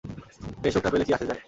মেয়ে সুখ না পেলে কী আসে যায়?